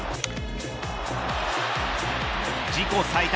自己最多